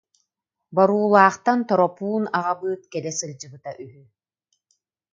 Боруулаахтан Торопуун аҕабыыт кэлэ сылдьыбыта үһү